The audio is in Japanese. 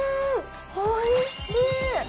おいしい！